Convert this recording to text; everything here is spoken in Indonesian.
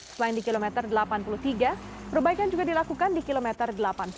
selain di kilometer delapan puluh tiga perbaikan juga dilakukan di kilometer delapan puluh